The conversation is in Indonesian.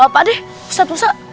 pak deh ustadz musa